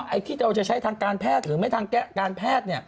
ไอ้ที่เราจะใช้ทางการแพทย์หรือไม่ทางการแพทย์